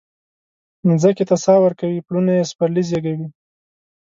مځکې ته ساه ورکوي پلونه یي سپرلي زیږوي